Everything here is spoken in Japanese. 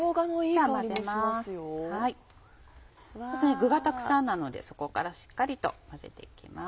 具がたくさんなので底からしっかりと混ぜて行きます。